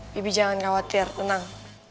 bibi jangan khawatir tenang